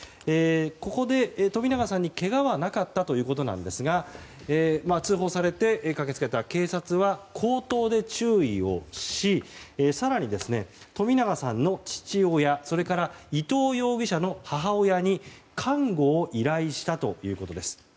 ここで冨永さんにけがはなかったということなんですが通報されて、駆け付けた警察は口頭で注意をし更に冨永さんの父親それから伊藤容疑者の母親に監護を依頼したということです。